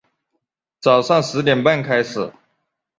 早上十点半开始